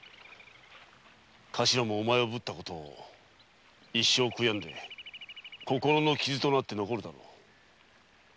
カシラもお前をぶったことを一生悔やみ心の傷となって残るだろう。